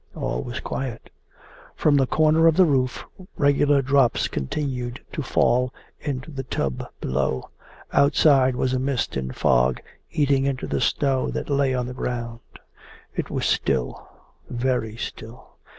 All was quiet. From the corner of the roof regular drops continued to fall into the tub below. Outside was a mist and fog eating into the snow that lay on the ground. It was still, very still.